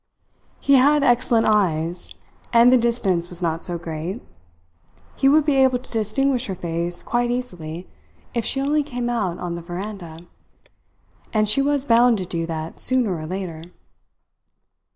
He had excellent eyes, and the distance was not so great. He would be able to distinguish her face quite easily if she only came out on the veranda; and she was bound to do that sooner or later.